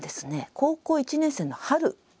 高校１年生の春でした。